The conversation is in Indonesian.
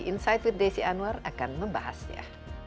insight with desi anwar akan membahasnya